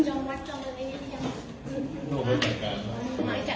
โรคแม่อย่างนี้ยังมั้ย